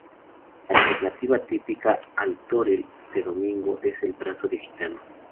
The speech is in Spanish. La alternativa típica al tortel de domingo es el brazo de gitano.